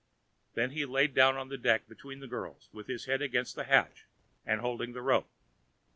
Then he lay down on the deck between the girls, with his head against the hatch and holding the rope.